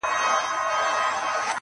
لکه په دښت کي غوړېدلی ګلاب -